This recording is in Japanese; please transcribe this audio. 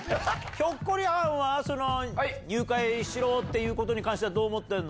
ひょっこりはんは、入会しろということに関してはどう思ってるの？